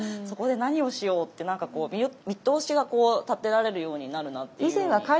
そこで何をしようって何かこう見通しが立てられるようになるなっていうように。